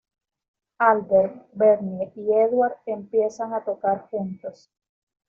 Albert, Bernie y Eduard empiezan a tocar juntos.